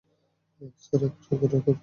Sir, এখানে সাক্ষর করুন।